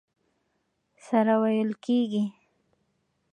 سره وېل کېږي.